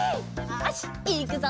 よしいくぞ！